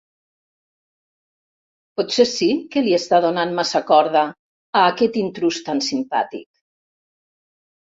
Potser sí que li està donant massa corda a aquest intrús tan simpàtic.